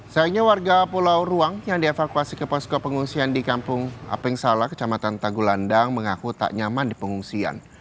sayangnya warga pulau ruang yang dievakuasi ke posko pengungsian di kampung apeng sala kecamatan tagulandang mengaku tak nyaman di pengungsian